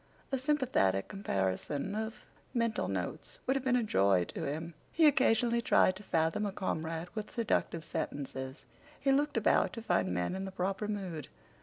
A sympathetic comparison of mental notes would have been a joy to him. He occasionally tried to fathom a comrade with seductive sentences. He looked about to find men in the proper mood.